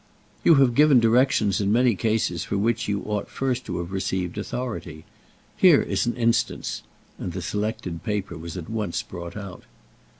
"You have given directions in many cases for which you ought first to have received authority. Here is an instance," and the selected paper was at once brought out.